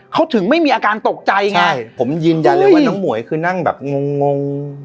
เขาถึงไม่มีอาการตกใจไงใช่ผมยืนยันเลยว่าน้องหมวยคือนั่งแบบงงงง